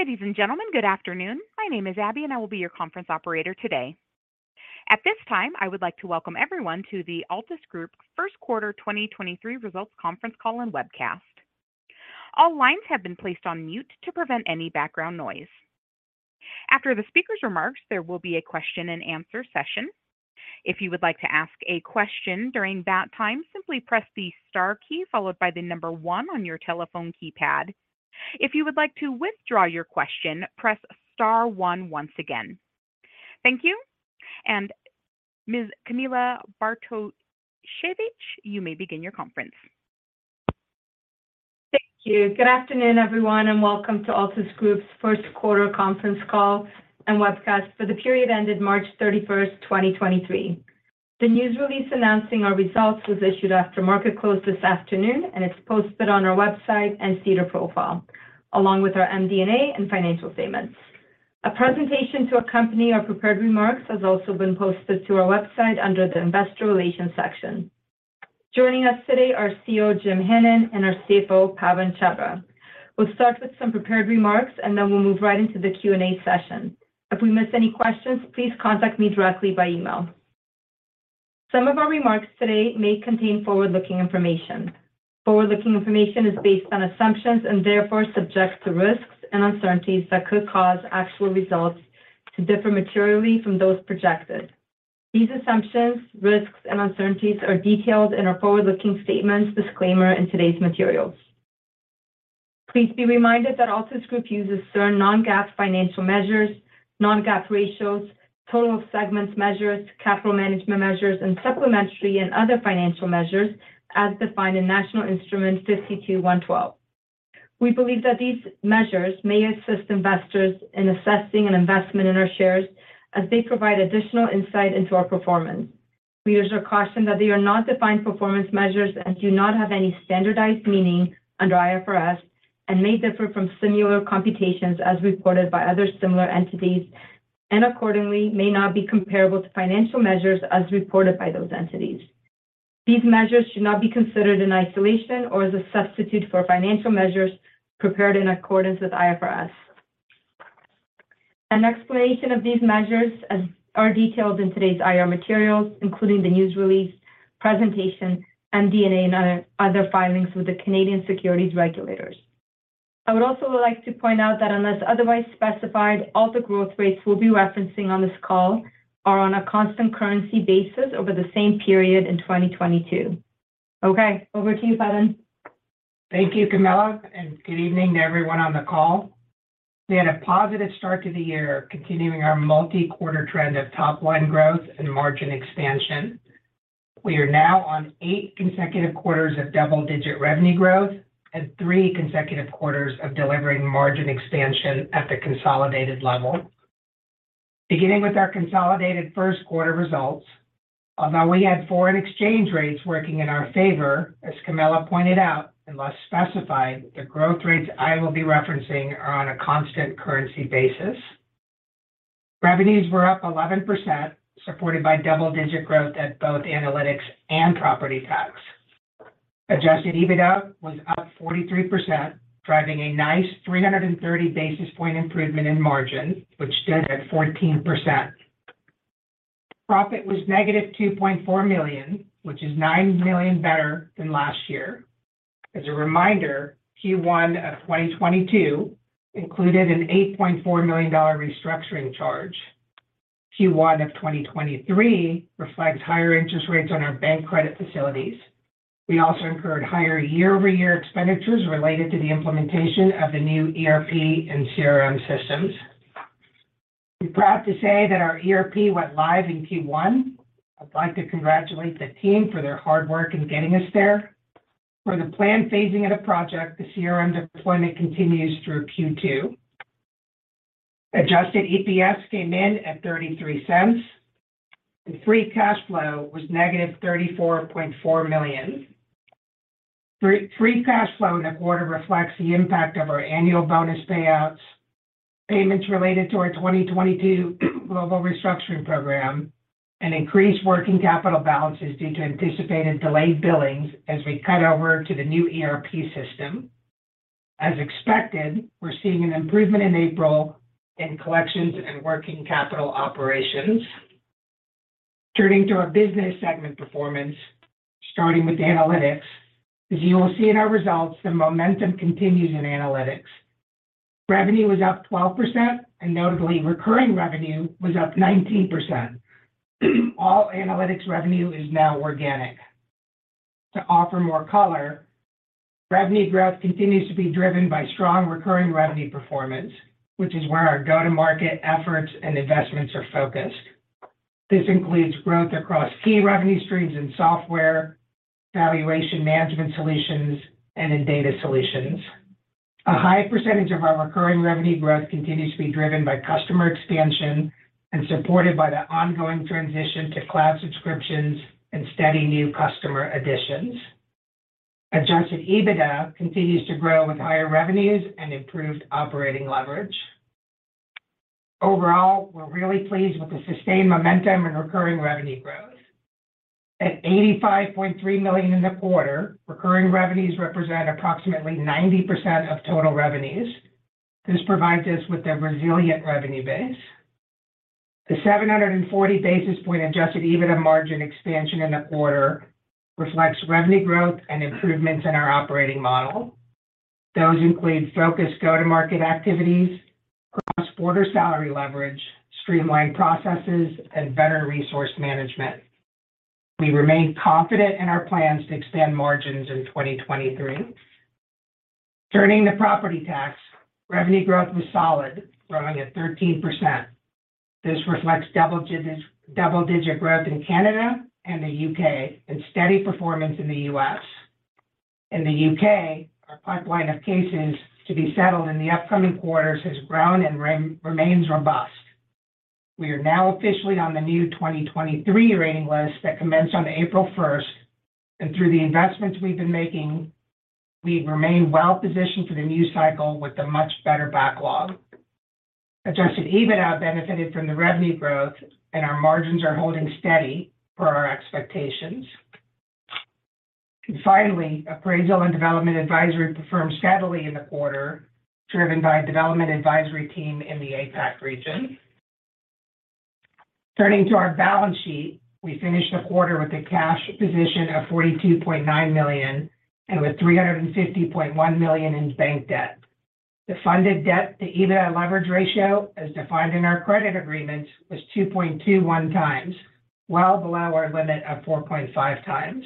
Ladies and gentlemen, good afternoon. My name is Abby. I will be your conference operator today. At this time, I would like to welcome everyone to the Altus Group First Quarter 2023 Results Conference Call and Webcast. All lines have been placed on mute to prevent any background noise. After the speaker's remarks, there will be a question and answer session. If you would like to ask a question during that time, simply press the star key followed by the number one on your telephone keypad. If you would like to withdraw your question, press star one once again. Thank you. Ms. Camilla Bartosiewicz, you may begin your conference. Thank you. Good afternoon, everyone, and welcome to Altus Group's first quarter conference call and webcast for the period ended March 31st, 2023. The news release announcing our results was issued after market close this afternoon. It's posted on our website and SEDAR profile, along with our MD&A and financial statements. A presentation to accompany our prepared remarks has also been posted to our website under the Investor Relations section. Joining us today are CEO Jim Hannon and our CFO, Pawan Chhabra. We'll start with some prepared remarks. Then we'll move right into the Q&A session. If we miss any questions, please contact me directly by email. Some of our remarks today may contain forward-looking information. Forward-looking information is based on assumptions and therefore subject to risks and uncertainties that could cause actual results to differ materially from those projected. These assumptions, risks, and uncertainties are detailed in our forward-looking statements disclaimer in today's materials. Please be reminded that Altus Group uses certain non-GAAP financial measures, non-GAAP ratios, total of segments measures, capital management measures, and supplementary and other financial measures as defined in National Instrument 52-112. We believe that these measures may assist investors in assessing an investment in our shares as they provide additional insight into our performance. Viewers are cautioned that they are not defined performance measures and do not have any standardized meaning under IFRS and may differ from similar computations as reported by other similar entities, accordingly may not be comparable to financial measures as reported by those entities. These measures should not be considered in isolation or as a substitute for financial measures prepared in accordance with IFRS. An explanation of these measures as are detailed in today's IR materials, including the news release, presentation, MD&A, and other filings with the Canadian Securities Regulators. I would also like to point out that unless otherwise specified, all the growth rates we'll be referencing on this call are on a constant currency basis over the same period in 2022. Okay, over to you, Pawan. Thank you, Camilla. Good evening to everyone on the call. We had a positive start to the year, continuing our multi-quarter trend of top-line growth and margin expansion. We are now on eight consecutive quarters of double-digit revenue growth and three consecutive quarters of delivering margin expansion at the consolidated level. Beginning with our consolidated first quarter results, although we had foreign exchange rates working in our favor, as Camilla pointed out, unless specified, the growth rates I will be referencing are on a constant currency basis. Revenues were up 11%, supported by double-digit growth at both analytics and property tax. Adjusted EBITDA was up 43%, driving a nice 330 basis point improvement in margin, which stood at 14%. Profit was negative 2.4 million, which is 9 million better than last year. As a reminder, Q1 of 2022 included a 8.4 million dollar restructuring charge. Q1 of 2023 reflects higher interest rates on our bank credit facilities. We also incurred higher year-over-year expenditures related to the implementation of the new ERP and CRM systems. We're proud to say that our ERP went live in Q1. I'd like to congratulate the team for their hard work in getting us there. Per the plan phasing of the project, the CRM deployment continues through Q2. Adjusted EPS came in at 0.33, and free cash flow was negative 34.4 million. Free cash flow in the quarter reflects the impact of our annual bonus payouts, payments related to our 2022 global restructuring program, and increased working capital balances due to anticipated delayed billings as we cut over to the new ERP system. As expected, we're seeing an improvement in April in collections and working capital operations. Turning to our business segment performance, starting with analytics. As you will see in our results, the momentum continues in analytics. Revenue was up 12%, and notably, recurring revenue was up 19%. All analytics revenue is now organic. To offer more color, revenue growth continues to be driven by strong recurring revenue performance, which is where our go-to-market efforts and investments are focused. This includes growth across key revenue streams in software, Valuation Management Solutions, and in data solutions. A high percentage of our recurring revenue growth continues to be driven by customer expansion and supported by the ongoing transition to cloud subscriptions and steady new customer additions. Adjusted EBITDA continues to grow with higher revenues and improved operating leverage. Overall, we're really pleased with the sustained momentum and recurring revenue growth. At 85.3 million in the quarter, recurring revenues represent approximately 90% of total revenues. This provides us with a resilient revenue base. The 740 basis point Adjusted EBITDA margin expansion in the quarter reflects revenue growth and improvements in our operating model. Those include focused go-to-market activities, cross-border salary leverage, streamlined processes, and better resource management. We remain confident in our plans to expand margins in 2023. Turning to property tax, revenue growth was solid, growing at 13%. This reflects double-digit growth in Canada and the U.K., and steady performance in the U.S. In the U.K., our pipeline of cases to be settled in the upcoming quarters has grown and remains robust. We are now officially on the new 2023 rating list that commenced on April 1st, and through the investments we've been making, we remain well positioned for the new cycle with a much better backlog. Adjusted EBITDA benefited from the revenue growth, and our margins are holding steady per our expectations. Finally, appraisal and development advisory performed steadily in the quarter, driven by development advisory team in the APAC region. Turning to our balance sheet, we finished the quarter with a cash position of 42.9 million and with 350.1 million in bank debt. The Funded Debt to EBITDA leverage ratio, as defined in our credit agreement, was 2.21x, well below our limit of 4.5x.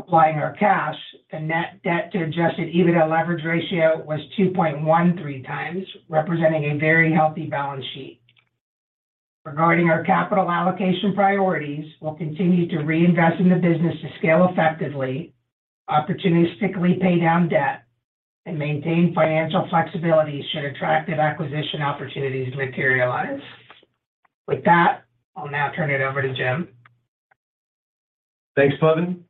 Applying our cash, the Net debt to Adjusted EBITDA leverage ratio was 2.13x, representing a very healthy balance sheet. Regarding our capital allocation priorities, we'll continue to reinvest in the business to scale effectively, opportunistically pay down debt, and maintain financial flexibility should attractive acquisition opportunities materialize. With that, I'll now turn it over to Jim. Thanks, Pawan.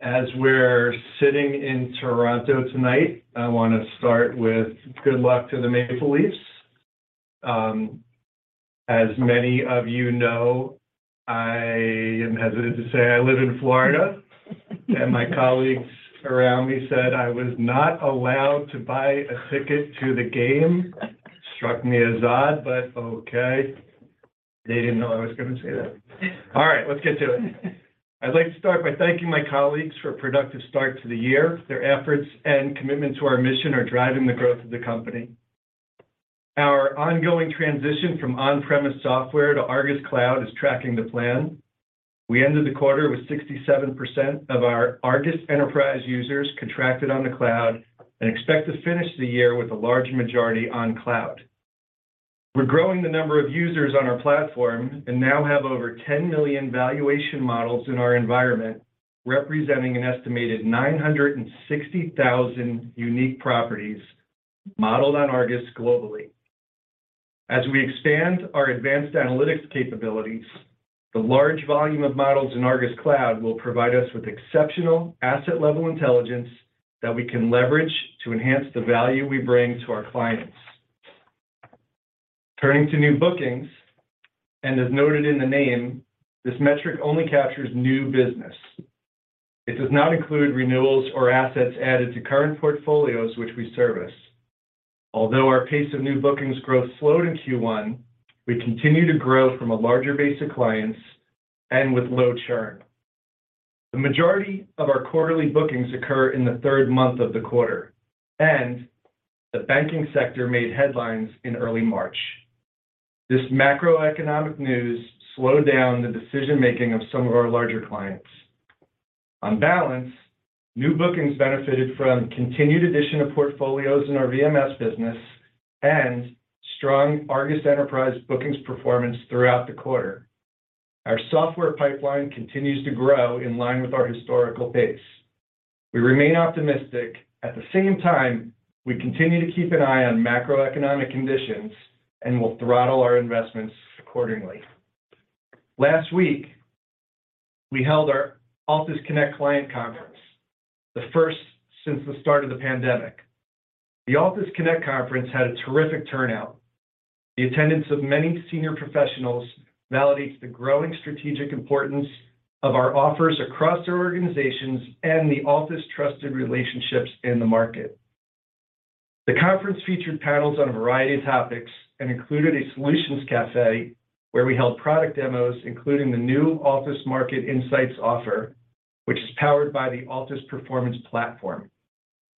As we're sitting in Toronto tonight, I want to start with good luck to the Toronto Maple Leafs. As many of you know, I am hesitant to say I live in Florida. My colleagues around me said I was not allowed to buy a ticket to the game. Struck me as odd, but okay. They didn't know I was going to say that. All right, let's get to it. I'd like to start by thanking my colleagues for a productive start to the year. Their efforts and commitment to our mission are driving the growth of the company. Our ongoing transition from on-premise software to ARGUS Cloud is tracking to plan. We ended the quarter with 67% of our ARGUS Enterprise users contracted on the cloud and expect to finish the year with a large majority on cloud. We're growing the number of users on our platform and now have over 10 million valuation models in our environment, representing an estimated 960,000 unique properties modeled on ARGUS globally. As we expand our advanced analytics capabilities, the large volume of models in ARGUS Cloud will provide us with exceptional asset-level intelligence that we can leverage to enhance the value we bring to our clients. Turning to new bookings, as noted in the name, this metric only captures new business. It does not include renewals or assets added to current portfolios which we service. Although our pace of new bookings growth slowed in Q1, we continue to grow from a larger base of clients and with low churn. The majority of our quarterly bookings occur in the 3rd month of the quarter, the banking sector made headlines in early March. This macroeconomic news slowed down the decision-making of some of our larger clients. On balance, new bookings benefited from continued addition of portfolios in our VMS business and strong ARGUS Enterprise bookings performance throughout the quarter. Our software pipeline continues to grow in line with our historical pace. We remain optimistic. At the same time, we continue to keep an eye on macroeconomic conditions and will throttle our investments accordingly. Last week, we held our Altus Connect Client Conference, the first since the start of the pandemic. The Altus Connect Conference had a terrific turnout. The attendance of many senior professionals validates the growing strategic importance of our offers across their organizations and the Altus-trusted relationships in the market. The conference featured panels on a variety of topics and included a Solutions Café where we held product demos, including the new Altus Market Insights offer, which is powered by the Altus Performance Platform.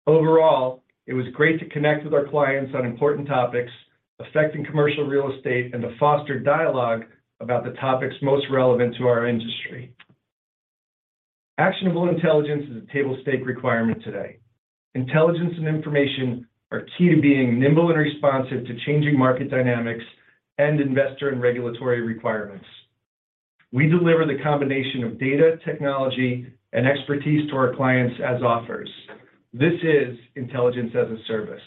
Overall, it was great to connect with our clients on important topics affecting commercial real estate and to foster dialogue about the topics most relevant to our industry. Actionable intelligence is a table stake requirement today. Intelligence and information are key to being nimble and responsive to changing market dynamics and investor and regulatory requirements. We deliver the combination of data, technology, and expertise to our clients as offers. This is Intelligence-as-a-Service.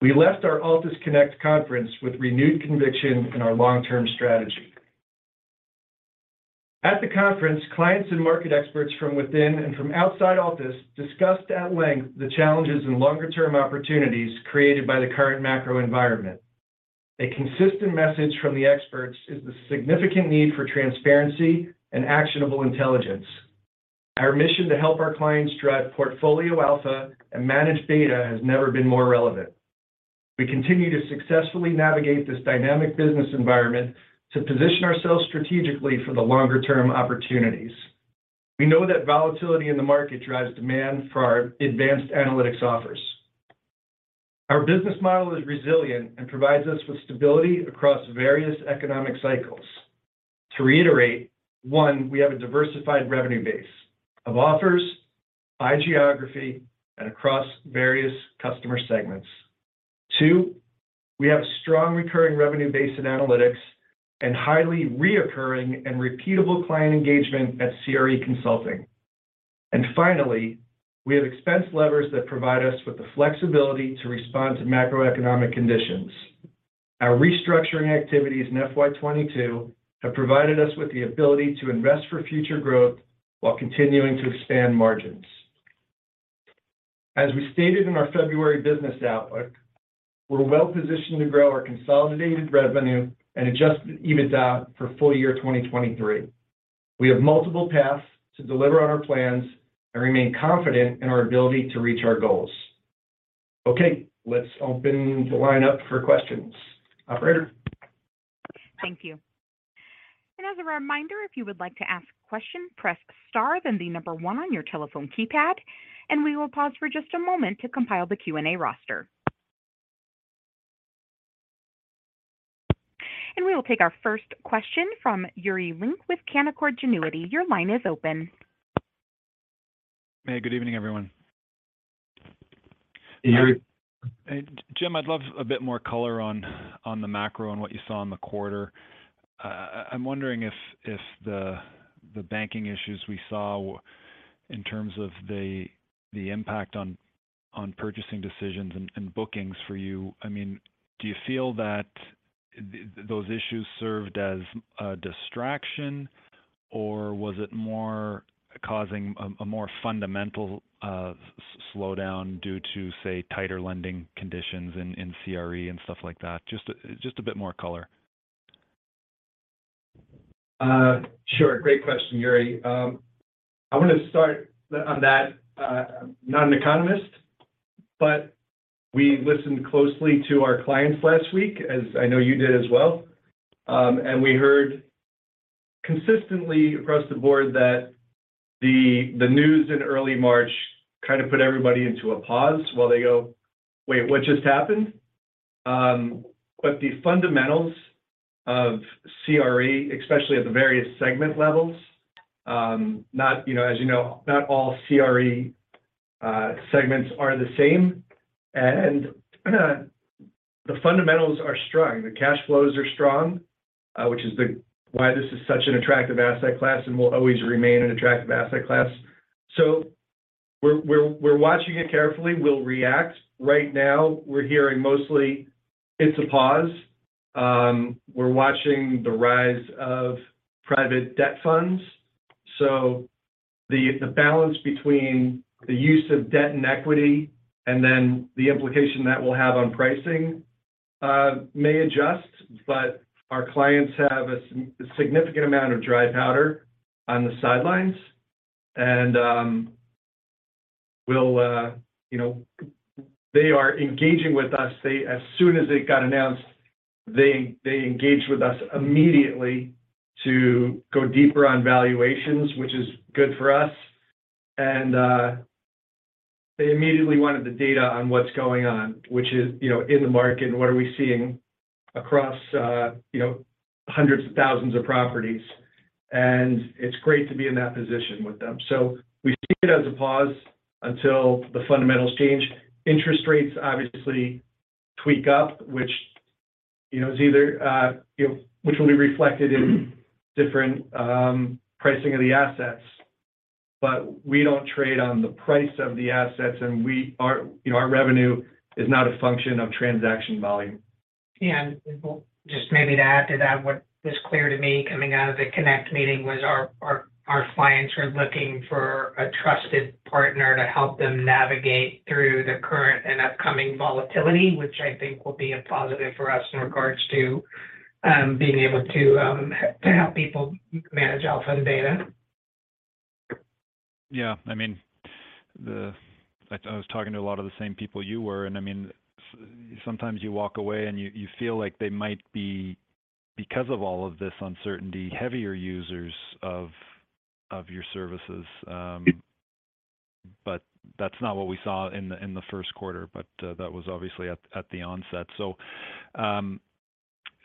We left our Altus Connect conference with renewed conviction in our long-term strategy. At the conference, clients and market experts from within and from outside Altus discussed at length the challenges and longer-term opportunities created by the current macro environment. A consistent message from the experts is the significant need for transparency and actionable intelligence. Our mission to help our clients drive portfolio alpha and manage data has never been more relevant. We continue to successfully navigate this dynamic business environment to position ourselves strategically for the longer-term opportunities. We know that volatility in the market drives demand for our advanced analytics offers. Our business model is resilient and provides us with stability across various economic cycles. To reiterate, one, we have a diversified revenue base of offers by geography and across various customer segments. two, we have a strong recurring revenue base in analytics and highly reoccurring and repeatable client engagement at CRE Consulting. Finally, we have expense levers that provide us with the flexibility to respond to macroeconomic conditions. Our restructuring activities in FY 2022 have provided us with the ability to invest for future growth while continuing to expand margins. As we stated in our February business outlook, we're well positioned to grow our consolidated revenue and Adjusted EBITDA for full year 2023. We have multiple paths to deliver on our plans and remain confident in our ability to reach our goals. Okay, let's open the line up for questions. Operator? Thank you. As a reminder, if you would like to ask a question, press star, then one on your telephone keypad, we will pause for just a moment to compile the Q&A roster. We will take our first question from Yuri Lynk with Canaccord Genuity. Your line is open. Hey, good evening, everyone. Yuri. Jim, I'd love a bit more color on the macro and what you saw in the quarter. I'm wondering if the banking issues we saw in terms of the impact on purchasing decisions and bookings for you. I mean, do you feel that those issues served as a distraction, or was it more causing a more fundamental slowdown due to, say, tighter lending conditions in CRE and stuff like that? Just a bit more color. Sure. Great question, Yuri. I want to start on that. I'm not an economist. We listened closely to our clients last week, as I know you did as well. We heard consistently across the board that the news in early March kind of put everybody into a pause while they go, "Wait, what just happened?" The fundamentals of CRE, especially at the various segment levels, not, you know, as you know, not all CRE segments are the same. The fundamentals are strong. The cash flows are strong, which is why this is such an attractive asset class and will always remain an attractive asset class. We're watching it carefully. We'll react. Right now, we're hearing mostly it's a pause. We're watching the rise of private debt funds. The balance between the use of debt and equity, and then the implication that we'll have on pricing may adjust, but our clients have a significant amount of dry powder on the sidelines. We'll, you know, they are engaging with us. As soon as it got announced, they engaged with us immediately to go deeper on valuations, which is good for us. They immediately wanted the data on what's going on, which is, you know, in the market, what are we seeing across, you know, hundreds of thousands of properties. It's great to be in that position with them. We see it as a pause until the fundamentals change. Interest rates obviously tweak up, which, you know, is either, you know, which will be reflected in different pricing of the assets. We don't trade on the price of the assets, and our, you know, our revenue is not a function of transaction volume. just maybe to add to that, what was clear to me coming out of the Connect meeting was our clients are looking for a trusted partner to help them navigate through the current and upcoming volatility, which I think will be a positive for us in regards to being able to help people manage alpha data. Yeah. I mean, I was talking to a lot of the same people you were, and I mean, sometimes you walk away and you feel like they might be, because of all of this uncertainty, heavier users of your services. But that's not what we saw in the first quarter, but that was obviously at the onset.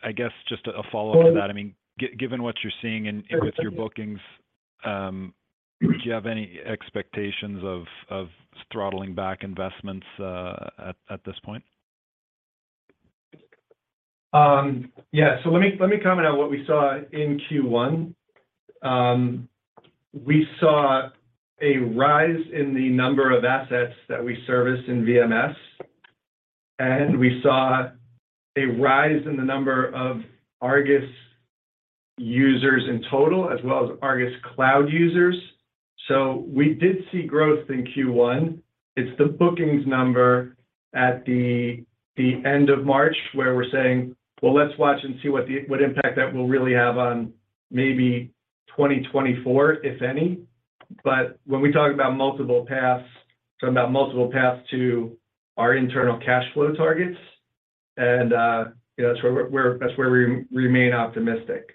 I guess just a follow-up to that. I mean, given what you're seeing with your bookings, do you have any expectations of throttling back investments at this point? Yeah. Let me comment on what we saw in Q1. We saw a rise in the number of assets that we serviced in VMS. We saw a rise in the number of ARGUS users in total, as well as ARGUS Cloud users. We did see growth in Q1. It's the bookings number at the end of March where we're saying, "Well, let's watch and see what impact that will really have on maybe 2024, if any." When we talk about multiple paths, talking about multiple paths to our internal cash flow targets, you know, that's where we remain optimistic.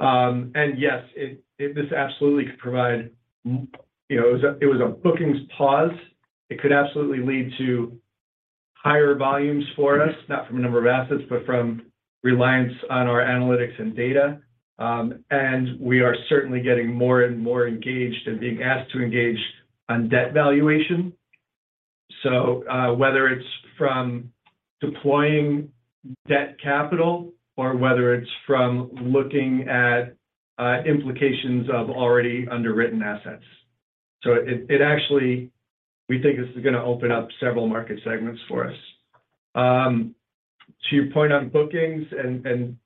Yes, it absolutely could provide, you know, it was a bookings pause. It could absolutely lead to higher volumes for us, not from a number of assets, but from reliance on our analytics and data. We are certainly getting more and more engaged and being asked to engage on debt valuation. Whether it's from deploying debt capital or whether it's from looking at, implications of already underwritten assets. It actually, we think this is gonna open up several market segments for us. To your point on bookings and,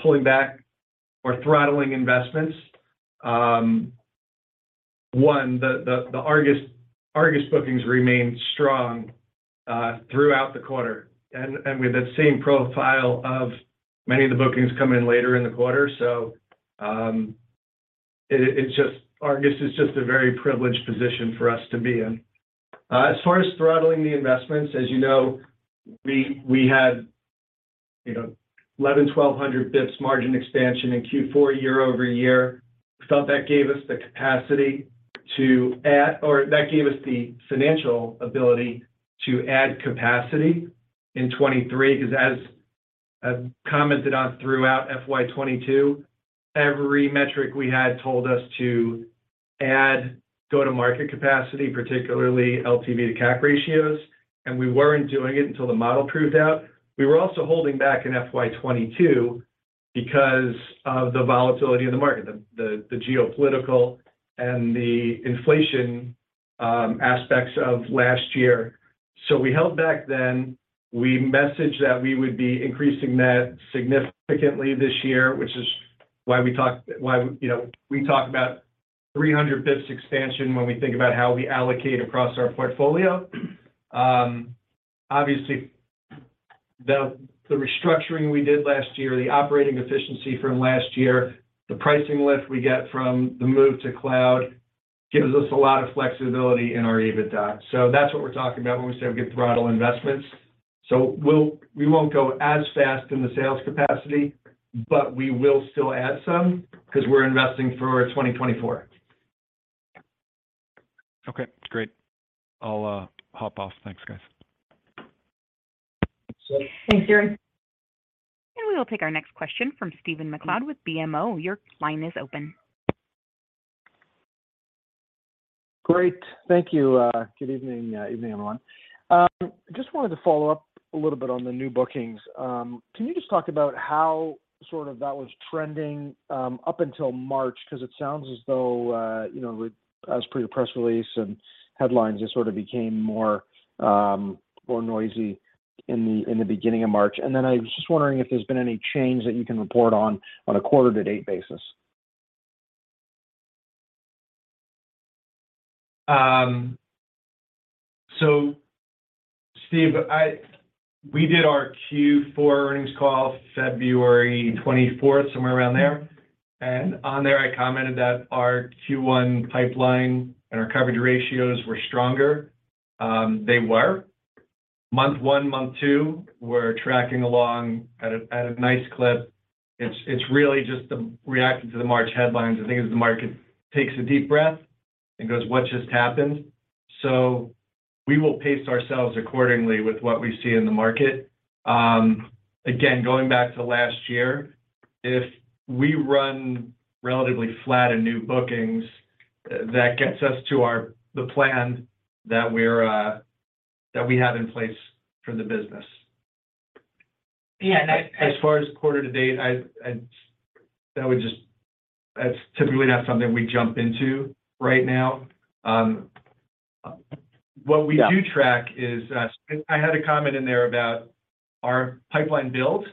pulling back or throttling investments, one, the ARGUS bookings remained strong throughout the quarter. With that same profile of many of the bookings come in later in the quarter. ARGUS is just a very privileged position for us to be in. As far as throttling the investments, as you know, we had, you know, 1,100-1,200 bits margin expansion in Q4 year-over-year. Thought that gave us the financial ability to add capacity in 2023, 'cause as I've commented on throughout FY 2022, every metric we had told us to add go-to-market capacity, particularly LTV to CAC ratio, and we weren't doing it until the model proved out. We were also holding back in FY 2022 because of the volatility in the market, the geopolitical and the inflation aspects of last year. We held back then. We messaged that we would be increasing that significantly this year, which is why we talked, why, you know, we talk about 300 bits expansion when we think about how we allocate across our portfolio. Obviously, the restructuring we did last year, the operating efficiency from last year, the pricing lift we get from the move to cloud gives us a lot of flexibility in our EBITDA. That's what we're talking about when we say we get throttle investments. We won't go as fast in the sales capacity, but we will still add some 'cause we're investing for 2024. Okay, great. I'll hop off. Thanks, guys. Sure. Thanks, Darren. We will take our next question from Stephen MacLeod with BMO. Your line is open. Great. Thank you. Good evening, everyone. Just wanted to follow up a little bit on the new bookings. Can you just talk about how sort of that was trending, up until March? 'Cause it sounds as though, you know, as per your press release and headlines, it sort of became more, more noisy in the, in the beginning of March. I was just wondering if there's been any change that you can report on a quarter-to-date basis. Stephen, we did our Q4 earnings call February 24th, somewhere around there. On there, I commented that our Q1 pipeline and our coverage ratios were stronger. They were. Month one, Month two, we're tracking along at a nice clip. It's really just the reaction to the March headlines. I think as the market takes a deep breath and goes, "What just happened?" We will pace ourselves accordingly with what we see in the market. Going back to last year, if we run relatively flat in new bookings, that gets us to the plan that we have in place for the business. Yeah. As far as quarter to date, That's typically not something we jump into right now. What we do track is I had a comment in there about our pipeline build.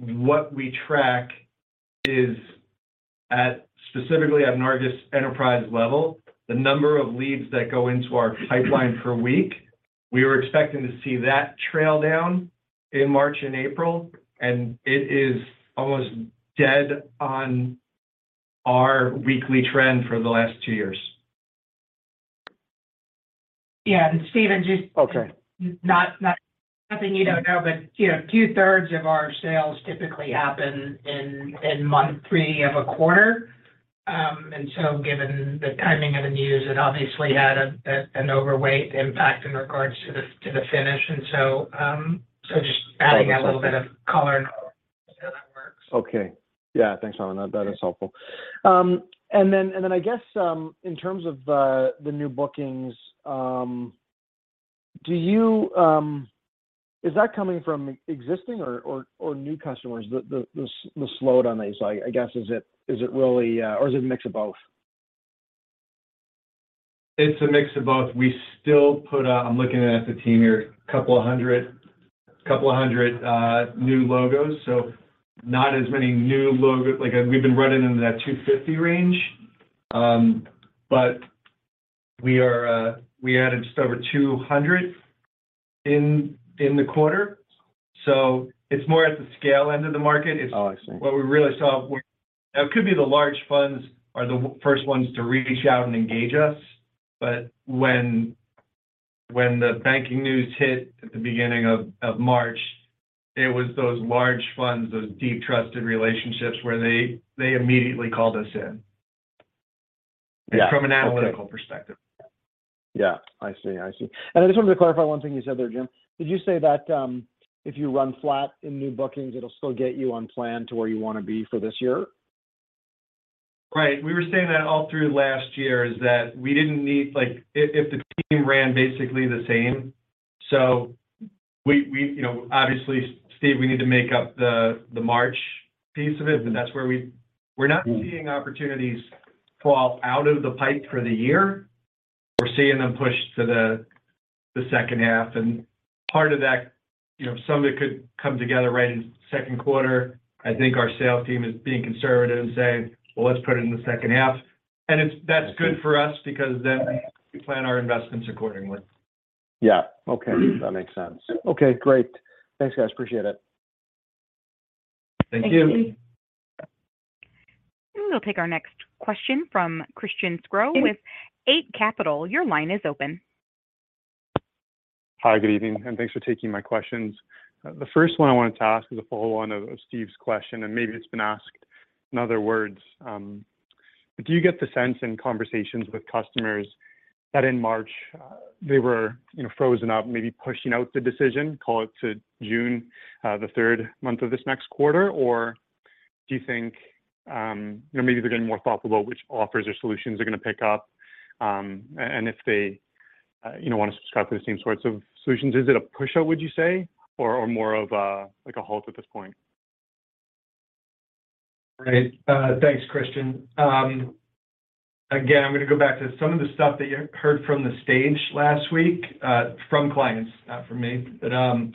What we track is at, specifically at an ARGUS Enterprise level, the number of leads that go into our pipeline per week. We were expecting to see that trail down in March and April, and it is almost dead on our weekly trend for the last 2 years. Yeah. Stephen. Okay. Nothing you don't know, but, you know, 2/3 of our sales typically happen in month 3 of a quarter. Given the timing of the news, it obviously had an overweight impact in regards to the finish. Just adding a little bit of color on how that works. Okay. Yeah. Thanks, Alan. That is helpful. Then I guess, in terms of the new bookings, is that coming from existing or new customers? The slowdown is, I guess, is it really, or is it a mix of both? It's a mix of both. We still I'm looking at the team here, couple of hundred new logos, not as many new logos. Like, we've been running in that 250 range. We are, we added just over 200 in the quarter. It's more at the scale end of the market. Oh, I see. Now, it could be the large funds are the first ones to reach out and engage us. When the banking news hit at the beginning of March, it was those large funds, those deep trusted relationships, where they immediately called us in. Yeah. Okay. From an analytical perspective. Yeah, I see. I see. I just wanted to clarify one thing you said there, Jim. Did you say that if you run flat in new bookings, it'll still get you on plan to where you wanna be for this year? We were saying that all through last year, that we didn't need, like, if the team ran basically the same. We, you know, obviously, Stephen, we need to make up the March piece of it. We're not seeing opportunities fall out of the pipe for the year. We're seeing them push to the second half. Part of that, you know, some of it could come together right in second quarter. I think our sales team is being conservative and saying, "Well, let's put it in the second half." That's good for us because then we plan our investments accordingly. Yeah. Okay. That makes sense. Okay, great. Thanks, guys. Appreciate it. Thank you. We'll take our next question from Christian Sgro with Eight Capital. Your line is open. Hi, good evening. Thanks for taking my questions. The first one I wanted to ask is a follow-on of Stephen's question, and maybe it's been asked in other words, do you get the sense in conversations with customers that in March, they were, you know, frozen up, maybe pushing out the decision, call it to June, the 3rd month of this next quarter? Do you think, you know, maybe they're getting more thoughtful about which offers or solutions they're gonna pick up, and if they, you know, wanna subscribe to the same sorts of solutions? Is it a push-out, would you say, or more of a, like a halt at this point? Great. Thanks, Christian. Again, I'm gonna go back to some of the stuff that you heard from the stage last week, from clients, not from me. You know,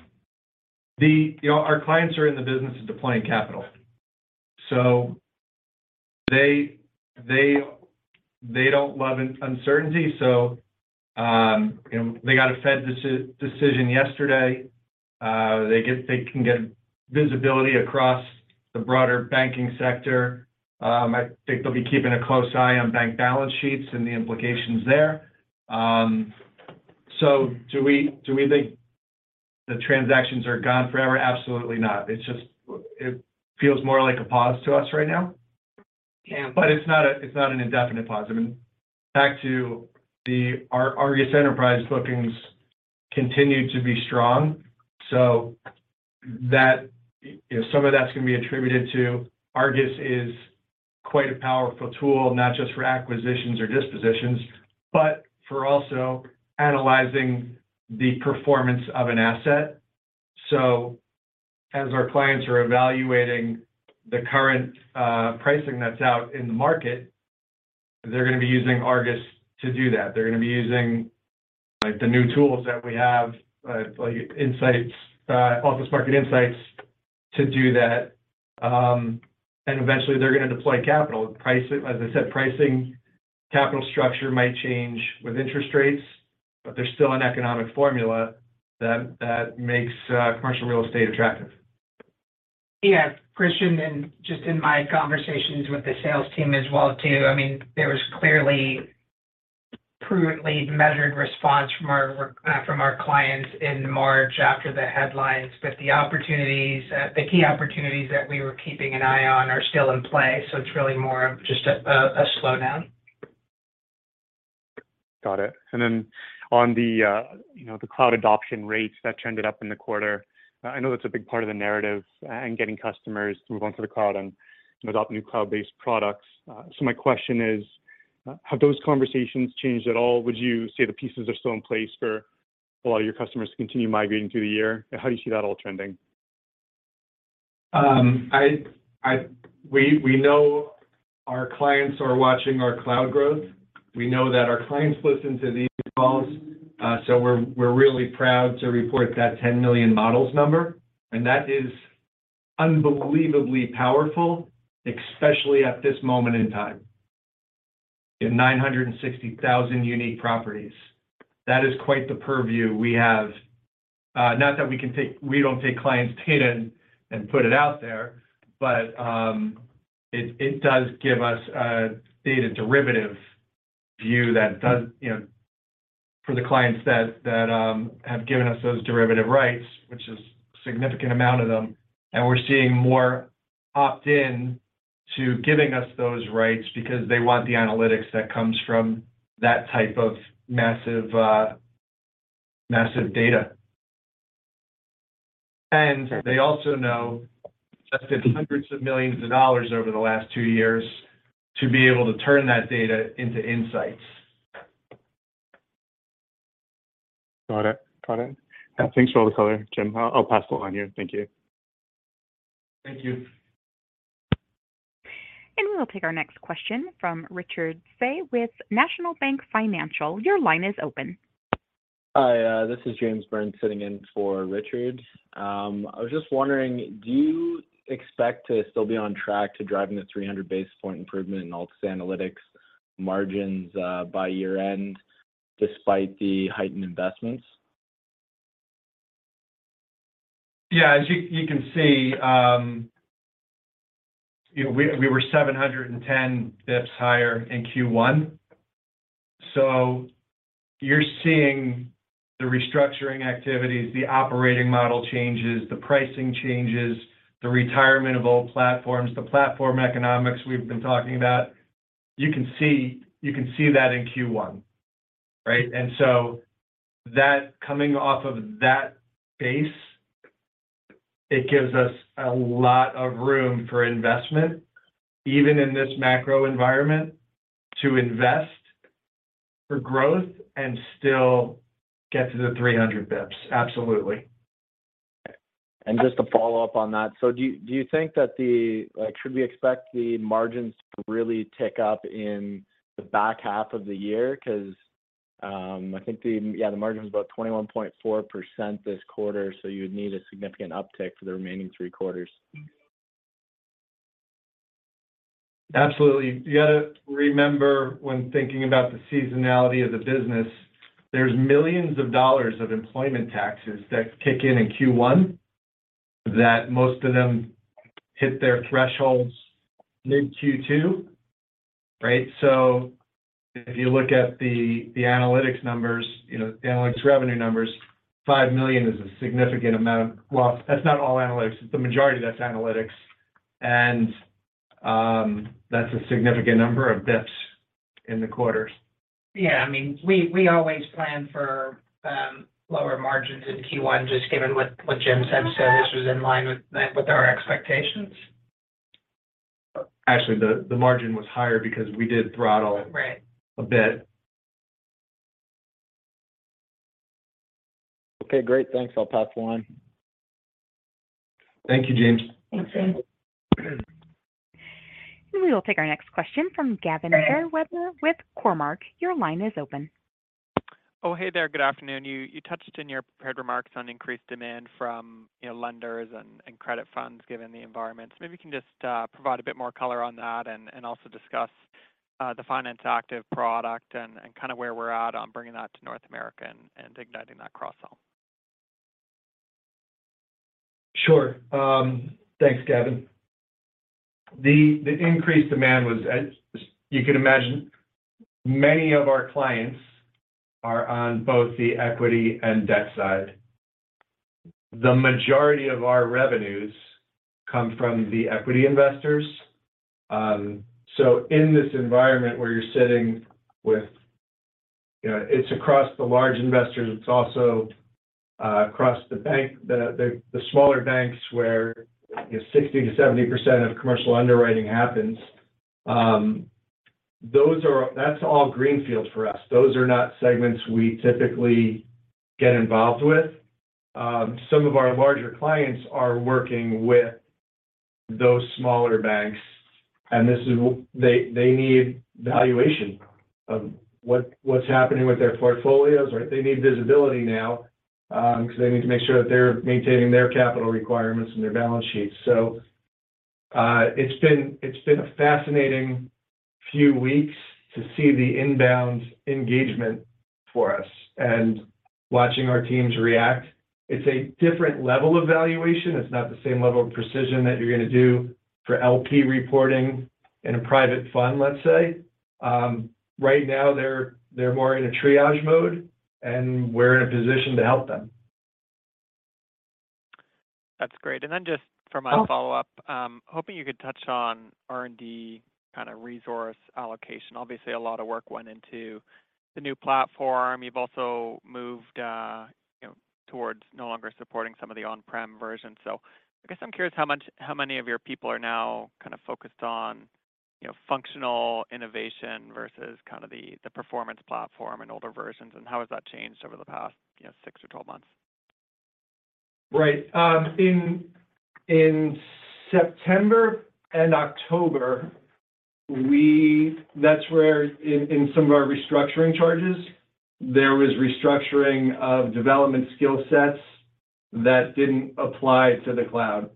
our clients are in the business of deploying capital. They don't love uncertainty, so, you know, they got a Fed decision yesterday. They can get visibility across the broader banking sector. I think they'll be keeping a close eye on bank balance sheets and the implications there. Do we think the transactions are gone forever? Absolutely not. It feels more like a pause to us right now. Yeah. It's not a, it's not an indefinite pause. I mean, back to the our Argus Enterprise bookings continue to be strong. That, you know, some of that's gonna be attributed to Argus is quite a powerful tool, not just for acquisitions or dispositions, but for also analyzing the performance of an asset. As our clients are evaluating the current pricing that's out in the last market, they're gonna be using Argus to do that. They're gonna be using, like, the new tools that we have, like Insights, Office Market Insights to do that. Eventually they're gonna deploy capital. As I said, pricing capital structure might change with interest rates, but there's still an economic formula that makes commercial real estate attractive. Yeah. Christian, just in my conversations with the sales team as well too, I mean, there was clearly prudently measured response from our, from our clients in March after the headlines. The opportunities, the key opportunities that we were keeping an eye on are still in play. It's really more of just a slowdown. Got it. Then on the, you know, the cloud adoption rates that trended up in the quarter, I know that's a big part of the narrative and getting customers to move on to the cloud and adopt new cloud-based products. So my question is, have those conversations changed at all? Would you say the pieces are still in place for a lot of your customers to continue migrating through the year? How do you see that all trending? We know our clients are watching our cloud growth. We know that our clients listen to these calls, we're really proud to report that 10 million models number. That is unbelievably powerful, especially at this moment in time. In 960,000 unique properties, that is quite the purview we have. Not that we don't take clients' data and put it out there, but it does give us a data derivative view that does, you know, for the clients that have given us those derivative rights, which is a significant amount of them. We're seeing more opt-in to giving us those rights because they want the analytics that comes from that type of massive data. they also know invested hundreds of millions of dollars over the last 2 years to be able to turn that data into insights. Got it. Got it. Yeah. Thanks for all the color, Jim. I'll pass the line here. Thank you. Thank you. We will take our next question from Richard Tse with National Bank Financial. Your line is open. Hi, this is James Burns sitting in for Richard. I was just wondering, do you expect to still be on track to driving the 300 basis point improvement in Altus Analytics margins, by year-end despite the heightened investments? Yeah, as you can see, you know, we were 710 bps higher in Q1. You're seeing the restructuring activities, the operating model changes, the pricing changes, the retirement of old platforms, the platform economics we've been talking about. You can see that in Q1, right? That coming off of that base, it gives us a lot of room for investment, even in this macro environment, to invest for growth and still get to the 300 bps. Absolutely. Just to follow up on that. Do you think, like, should we expect the margins to really tick up in the back half of the year? Cause, I think the, yeah, the margin was about 21.4% this quarter, so you would need a significant uptick for the remaining three quarters. Absolutely. You gotta remember when thinking about the seasonality of the business, there's millions of dollars of employment taxes that kick in in Q1, that most of them hit their thresholds mid-Q2, right? If you look at the analytics numbers, you know, the analytics revenue numbers, 5 million is a significant amount. That's not all analytics. The majority of that's analytics. That's a significant number of bps in the quarter. Yeah. I mean, we always plan for lower margins in Q1, just given what Jim said. This was in line with our expectations. Actually, the margin was higher because we did. Right a bit. Okay, great. Thanks. I'll pass the line. Thank you, James. Thanks, James. We will take our next question from Gavin Fairweather with Cormark Securities. Your line is open. Oh, hey there. Good afternoon. You touched in your prepared remarks on increased demand from, you know, lenders and credit funds given the environment. Maybe you can just provide a bit more color on that and also discuss the Finance Active product and kinda where we're at on bringing that to North America and igniting that cross-sell? Sure. Thanks, Gavin. The increased demand was as you can imagine, many of our clients are on both the equity and debt side. The majority of our revenues come from the equity investors. In this environment where you're sitting with, you know, it's across the large investors, it's also across the bank, the smaller banks where, you know, 60%-70% of commercial underwriting happens. That's all greenfields for us. Those are not segments we typically get involved with. Some of our larger clients are working with those smaller banks, and this is what they need valuation of what's happening with their portfolios, right? They need visibility now, 'cause they need to make sure that they're maintaining their capital requirements and their balance sheets. It's been a fascinating few weeks to see the inbound engagement for us and watching our teams react. It's a different level of valuation. It's not the same level of precision that you're gonna do for LP reporting in a private fund, let's say. Right now they're more in a triage mode, and we're in a position to help them. That's great. Just for my follow-up, hoping you could touch on R&D kind of resource allocation. Obviously, a lot of work went into the new platform. You've also moved, you know, towards no longer supporting some of the on-prem versions. I guess I'm curious how many of your people are now kind of focused on, you know, functional innovation versus kind of the performance platform and older versions, and how has that changed over the past, you know, 6 or 12 months? Right. In September and October, that's where in some of our restructuring charges, there was restructuring of development skill sets that didn't apply to the cloud.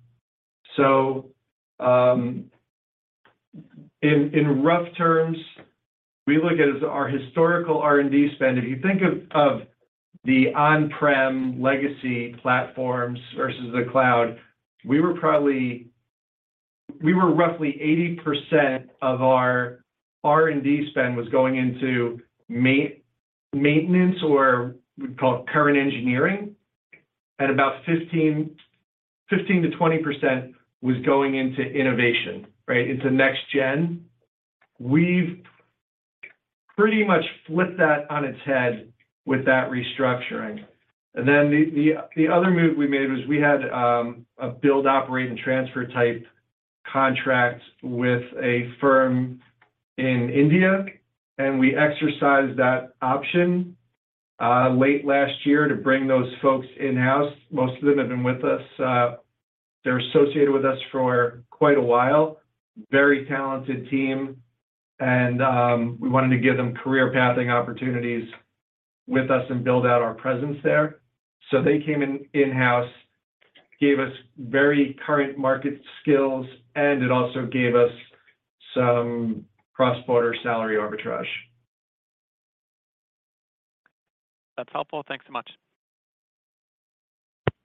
In rough terms, we look at as our historical R&D spend. If you think of the on-prem legacy platforms versus the cloud, we were roughly 80% of our R&D spend was going into maintenance or we call it current engineering. About 15-20% was going into innovation, right, into next gen. We've pretty much flipped that on its head with that restructuring. The other move we made was we had a build, operate, and transfer type contract with a firm in India, and we exercised that option late last year to bring those folks in-house. Most of them have been with us. They're associated with us for quite a while. Very talented team, and we wanted to give them career pathing opportunities with us and build out our presence there. They came in in-house, gave us very current market skills, and it also gave us some cross-border salary arbitrage. That's helpful. Thanks so much.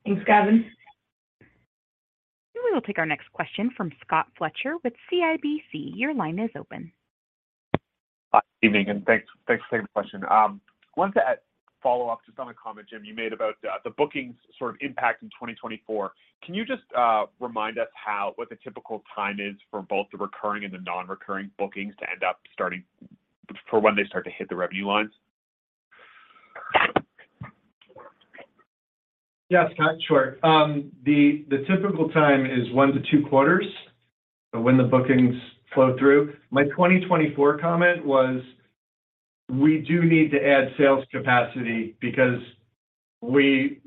Thanks, Gavin. We will take our next question from Scott Fletcher with CIBC. Your line is open. Evening, thanks for taking the question. wanted to follow up just on a comment, Jim, you made about the bookings sort of impact in 2024. Can you just remind us what the typical time is for both the recurring and the non-recurring bookings to end up for when they start to hit the revenue lines? Scott. Sure. The typical time is 1-2 quarters when the bookings flow through. My 2024 comment was we do need to add sales capacity because we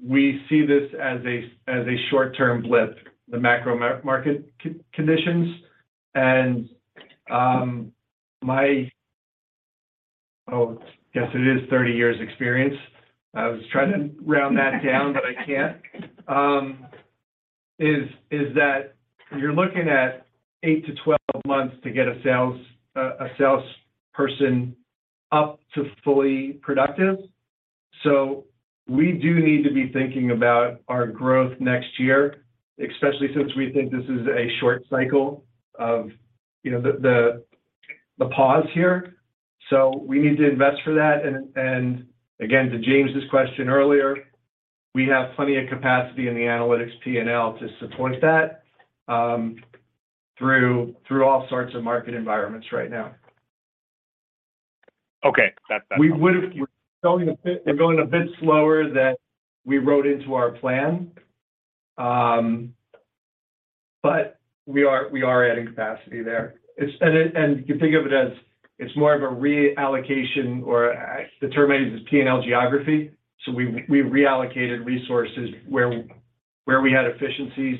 see this as a short-term blip, the macro market conditions. My. Oh, yes, it is 30 years experience. I was trying to round that down, but I can't. Is that you're looking at 8-12 months to get a salesperson up to fully productive. We do need to be thinking about our growth next year, especially since we think this is a short cycle of, you know, the pause here. We need to invest for that. Again, to James's question earlier, we have plenty of capacity in the analytics P&L to support that, through all sorts of market environments right now. Okay. That's. We're going a bit slower than we wrote into our plan. We are adding capacity there. You can think of it as it's more of a reallocation or the term I use is P&L geography. We reallocated resources where we had efficiencies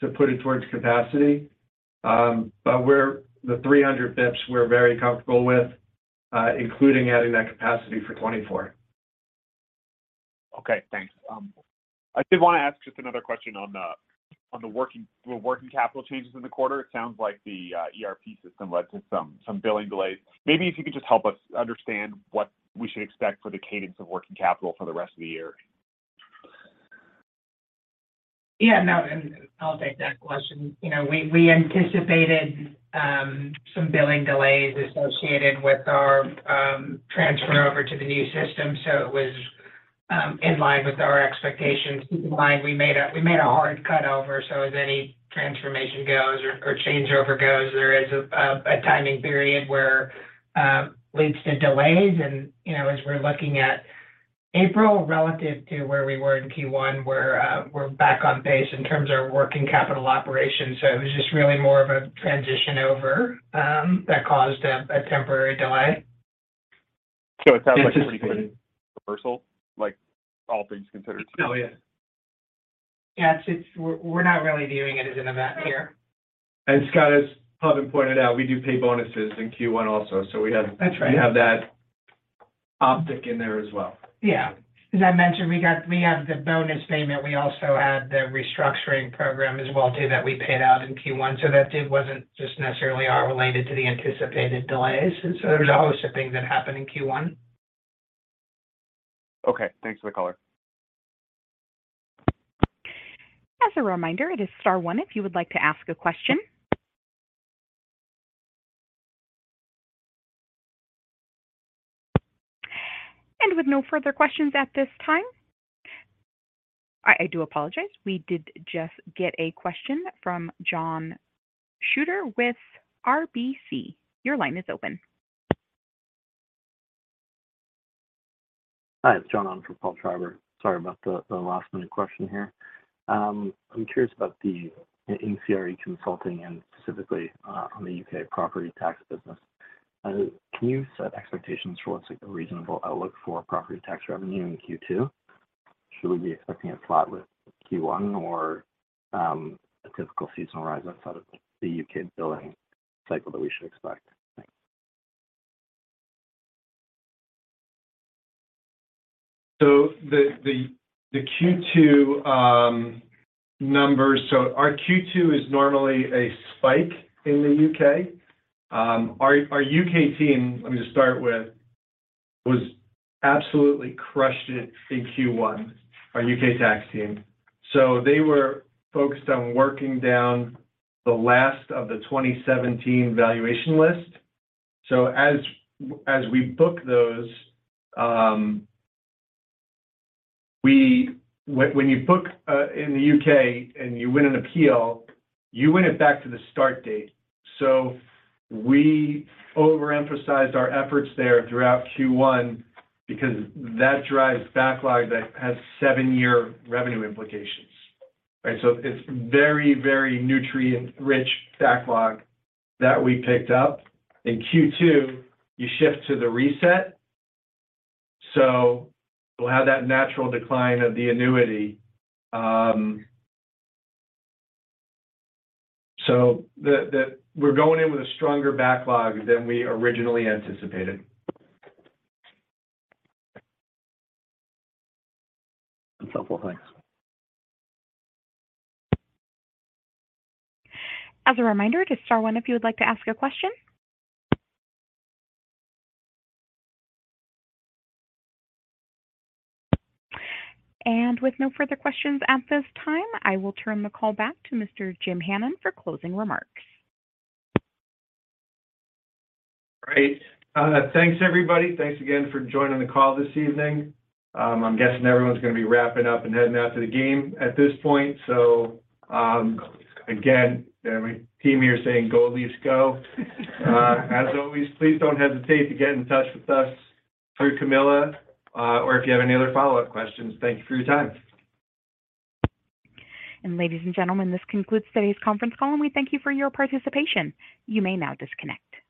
to put it towards capacity. The 300 basis points we're very comfortable with, including adding that capacity for 2024. Thanks. I did wanna ask just another question on the working capital changes in the quarter. It sounds like the ERP system led to some billing delays. Maybe if you could just help us understand what we should expect for the cadence of working capital for the rest of the year. Yeah, no, I'll take that question. You know, we anticipated some billing delays associated with our transfer over to the new system, so it was in line with our expectations. Keep in mind, we made a hard cut over, so as any transformation goes or changeover goes, there is a timing period where leads to delays. You know, as we're looking at April relative to where we were in Q1, we're back on pace in terms of working capital operations. It was just really more of a transition over that caused a temporary delay. It sounds like a pretty quick reversal, like all things considered. Oh, yeah. Yes, We're not really viewing it as an event here. Scott, as Pawan pointed out, we do pay bonuses in Q1 also. That's right. We have that optic in there as well. Yeah. As I mentioned, we have the bonus payment. We also had the restructuring program as well too, that we paid out in Q1. That wasn't just necessarily all related to the anticipated delays. There's a host of things that happened in Q1. Okay. Thanks for the color. As a reminder, it is star one if you would like to ask a question. With no further questions at this time. I do apologize. We did just get a question from John Shuter with RBC. Your line is open. Hi, it's John on for Paul Treiber. Sorry about the last-minute question here. I'm curious about the CRE consulting and specifically on the U.K. property tax business. Can you set expectations for what's a reasonable outlook for property tax revenue in Q2? Should we be expecting it flat with Q1 or a typical seasonal rise outside of the U.K. billing cycle that we should expect? Thanks. The Q2 numbers. Our Q2 is normally a spike in the U.K. Our U.K. team, let me just start with, was absolutely crushed it in Q1, our U.K. tax team. They were focused on working down the last of the 2017 Rating List. As we book those, when you book in the U.K. and you win an appeal, you win it back to the start date. We overemphasized our efforts there throughout Q1 because that drives backlog that has 7-year revenue implications, right? It's very, very nutrient-rich backlog that we picked up. In Q2, you shift to the reset, so we'll have that natural decline of the annuity. We're going in with a stronger backlog than we originally anticipated. That's helpful. Thanks. As a reminder, it is star one if you would like to ask a question. With no further questions at this time, I will turn the call back to Mr. Jim Hannon for closing remarks. Great. Thanks everybody. Thanks again for joining the call this evening. I'm guessing everyone's gonna be wrapping up and heading out to the game at this point. Again, my team here is saying, "Go Leafs, go." As always, please don't hesitate to get in touch with us through Camilla, or if you have any other follow-up questions. Thank you for your time. Ladies and gentlemen, this concludes today's conference call, and we thank you for your participation. You may now disconnect.